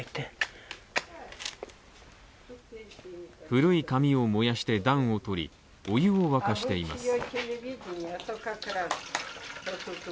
古い紙を燃やして暖を取りお湯を沸かしています。